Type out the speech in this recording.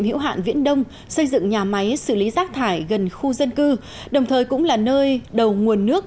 hữu hạn viễn đông xây dựng nhà máy xử lý rác thải gần khu dân cư đồng thời cũng là nơi đầu nguồn nước